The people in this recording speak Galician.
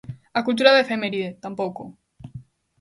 A cultura da efeméride, tampouco.